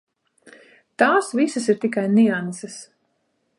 Tās visas ir tikai nianses.